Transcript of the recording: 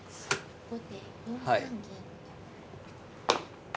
後手４三銀。